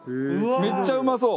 めっちゃうまそう。